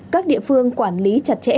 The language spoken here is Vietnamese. các địa phương quản lý chặt chẽ